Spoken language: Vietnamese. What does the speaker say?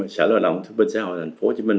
sở loại động thứ bình xã hội tp hcm